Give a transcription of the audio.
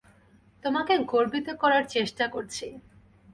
তোমাকে গর্বিত করার চেষ্টা করছি।